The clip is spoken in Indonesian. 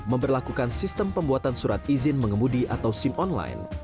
memperlakukan sistem pembuatan surat izin mengemudi atau sim online